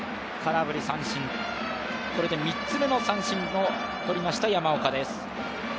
これで３つ目の三振を取りました山岡です。